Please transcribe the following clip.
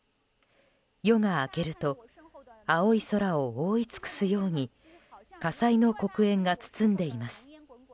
夜が明けると青い空を覆い尽くすように火災の黒煙が包んでいます。